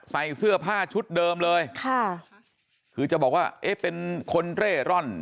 ใส่เสื้อผ้าชุดเดิมเลยค่ะคือจะบอกว่าเอ๊ะเป็นคนเร่ร่อน